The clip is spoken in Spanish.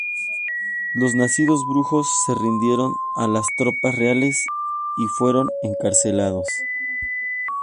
Los nacidos brujos se rindieron a las tropas reales, y fueron encarcelados.